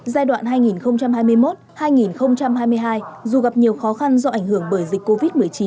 giai đoạn hai nghìn hai mươi một hai nghìn hai mươi hai dù gặp nhiều khó khăn do ảnh hưởng bởi dịch covid một mươi chín